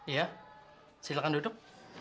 ya silakan duduk